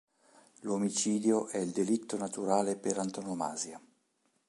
L'omicidio è il delitto naturale per antonomasia.